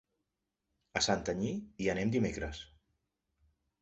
A Santanyí hi anem dimecres.